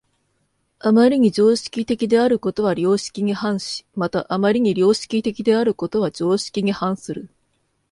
余りに常識的であることは良識に反し、また余りに良識的であることは常識に反する。